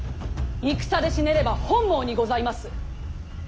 戦で死ねれば本望にございます。